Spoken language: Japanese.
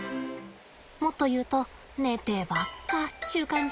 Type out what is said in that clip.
もっと言うと寝てばっかっちゅう感じ？